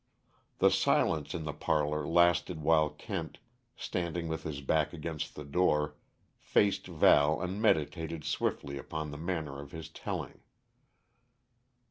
The silence in the parlor lasted while Kent, standing with his back against the door, faced Val and meditated swiftly upon the manner of his telling.